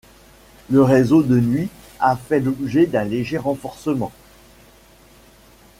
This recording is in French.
Le réseau de nuit a fait l'objet d'un léger renforcement.